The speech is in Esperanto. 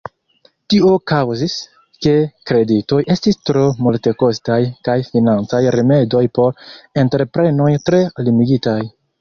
Tio kaŭzis, ke kreditoj estis tro multekostaj kaj financaj rimedoj por entreprenoj tre limigitaj.